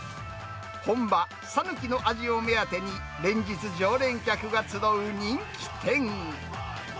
本場、讃岐の味を目当てに連日、常連客が集う人気店。